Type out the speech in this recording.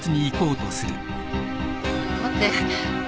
待って。